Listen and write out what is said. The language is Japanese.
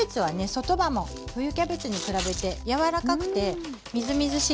外葉も冬キャベツに比べて柔らかくてみずみずしいのでね